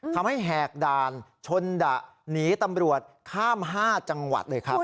แหกด่านชนดะหนีตำรวจข้าม๕จังหวัดเลยครับ